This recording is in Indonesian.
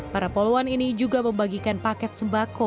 para poluan ini juga membagikan paket sembako